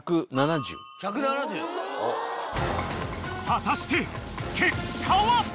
［果たして結果は？］